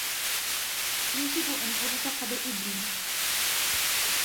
يجب أن أُرزق بإبن.